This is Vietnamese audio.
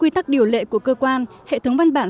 quy tắc điều lệ của cơ quan hệ thống văn bản